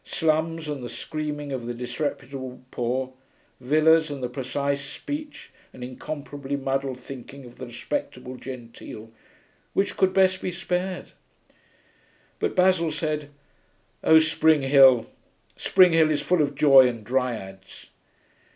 Slums and the screaming of the disreputable poor: villas and the precise speech and incomparably muddled thinking of the respectable genteel: which could best be spared? But Basil said, 'Oh, Spring Hill. Spring Hill is full of joy and dryads.'